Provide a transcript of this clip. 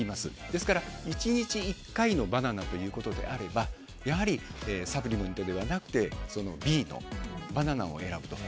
ですから１日１回のバナナということであればやはり、サプリメントではなくてＢのバナナを選ぶと。